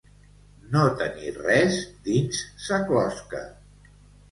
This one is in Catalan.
No tenir res dins sa closca.